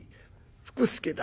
『福助だ』